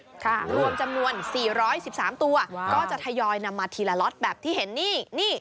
รวมจำนวน๔๑๓ตัวก็จะทยอยนำมาทีละล็อตแบบที่เห็นนี่